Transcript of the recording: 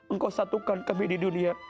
engkau satukan kami di dunia